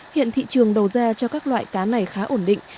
hiện thị trường đầu ra cho các loại cá này khá ổn định